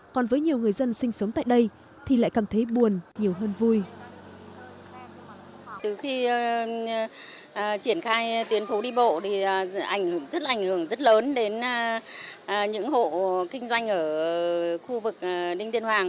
còn với nhiều người dân sinh sống tại đây thì lại cảm thấy buồn nhiều hơn vui